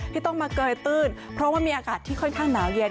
ที่ต้องมาเกยตื้นเพราะว่ามีอากาศที่ค่อนข้างหนาวเย็น